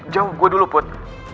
jauh gue dulu put